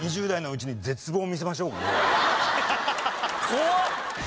怖っ！